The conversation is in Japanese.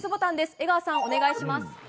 江川さん、お願いします。